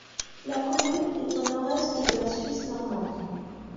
La commune est au nord-est de la Suisse normande.